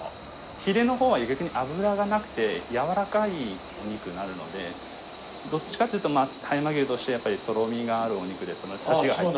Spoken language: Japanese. ヒレの方は逆に脂がなくてやわらかいお肉になるのでどっちかというと葉山牛としてはやっぱりとろみがあるお肉ですのでサシが入った方が。